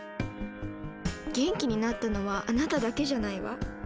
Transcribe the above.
元気になったのはあなただけじゃないわ。